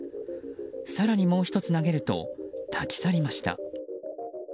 更にもう１つ投げると立ち去りました。